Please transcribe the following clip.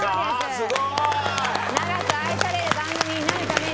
すごい！長く愛される番組になるために。